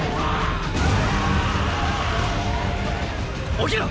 起きろ！！